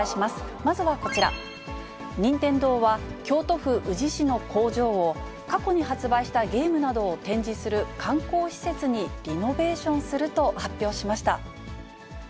まずはこちら、任天堂は、京都府宇治市の工場を、過去に発売したゲームなどを展示する観光施設にリノベーションすると発表しました。